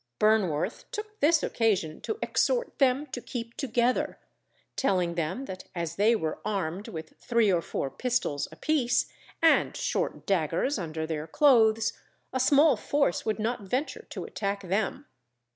Burnworth took this occasion to exhort them to keep together, telling them that as they were armed with three or four pistols apiece, and short daggers under their clothes, a small force would not venture to attack them.